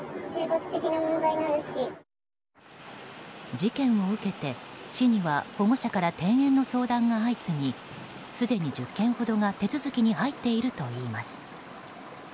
事件を受けて、市には保護者から転園の相談が相次ぎすでに１０件ほどが手続きに入っているといいます。